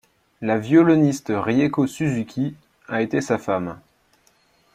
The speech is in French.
La violoniste Rieko Suzuki, a été sa femme.